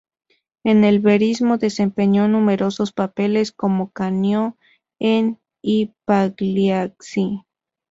En el Verismo desempeñó numerosos papeles como: Canio en "I Pagliacci".